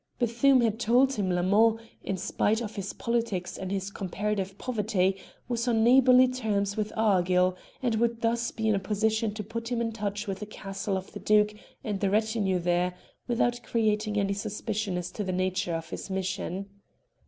Bethune had told him Lamond, in spite of his politics and his comparative poverty, was on neighbourly terms with Argyll, and would thus be in a position to put him in touch with the castle of the Duke and the retinue there without creating any suspicion as to the nature of his mission.